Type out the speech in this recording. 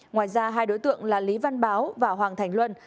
ngoài ra hai đối tượng là lý văn báo và hoàng thành luân